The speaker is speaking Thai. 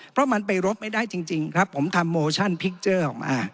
เพราะมันไปรบไม่ได้จริงครับผมทำโมชั่นพิกเจอร์ออกมา